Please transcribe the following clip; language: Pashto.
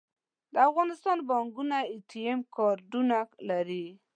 د افغانستان بانکونه اې ټي ایم کارډونه لري